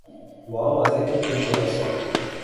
娃娃在公園玩耍